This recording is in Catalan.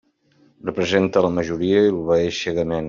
Representa la majoria i l'obeeix cegament.